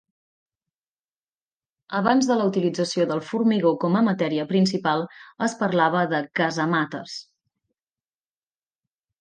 Abans de la utilització del formigó com a matèria principal, es parlava de casamates.